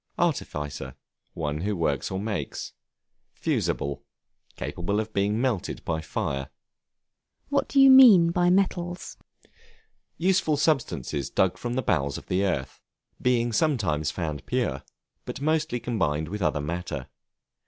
Artificer, one who works or makes. Fusible, capable of being melted by fire. [Illustration: THE SALT MINES OF WIELICZCA.] What do you mean by Metals? Useful substances dug from the bowels of the earth, being sometimes found pure, but mostly combined with other matter.